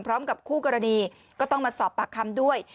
พร้อมกับคู่กรณีก็ต้องมาสอบปากคำด้วย